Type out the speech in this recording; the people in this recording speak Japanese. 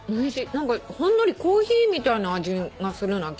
何かほんのりコーヒーみたいな味がするのは気のせいかね。